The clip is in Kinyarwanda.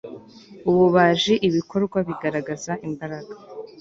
ubumaji ibikorwa bigaragaza imbaraga